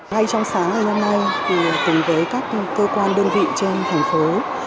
ngay trong sáng ngày hôm nay cùng với các cơ quan đơn vị trên thành phố